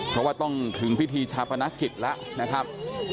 เพราะว่าต้องถึงพิธีชาปนกิจแล้วนะครับ